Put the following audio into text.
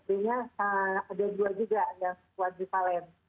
dan yang b nya ada dua juga yang kuadrifalen